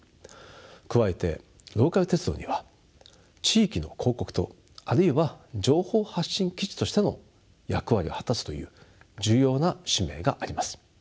加えてローカル鉄道には地域の広告塔あるいは情報発信基地としての役割を果たすという重要な使命があります。